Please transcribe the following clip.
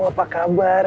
kalau lihat group network